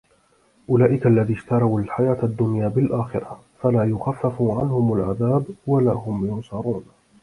أُولَٰئِكَ الَّذِينَ اشْتَرَوُا الْحَيَاةَ الدُّنْيَا بِالْآخِرَةِ ۖ فَلَا يُخَفَّفُ عَنْهُمُ الْعَذَابُ وَلَا هُمْ يُنْصَرُونَ